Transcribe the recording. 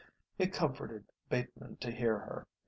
It comforted Bateman to hear her.